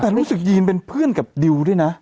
แต่รู้สึกยีนเป็นเพื่อนกับดิวด้วยนะ